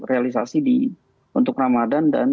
realisasi untuk ramadan dan